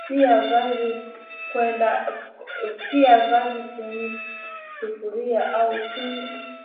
tia viazi kwenye sufuri au chungu